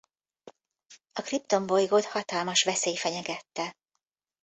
A Krypton bolygót hatalmas veszély fenyegette.